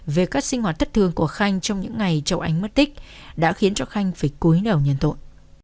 về các sinh hoạt thất thương của khanh trong những ngày cháu ánh mất tích đã khiến cho khanh phải cúi đầu nhân tội